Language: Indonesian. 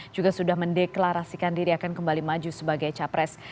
juga sudah mendeklarasikan diri akan kembali maju sebagai capres